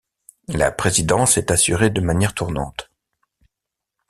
La présidence est assurée de manière tournante.